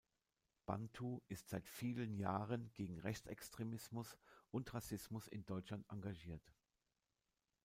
Bantu ist seit vielen Jahren gegen Rechtsextremismus und Rassismus in Deutschland engagiert.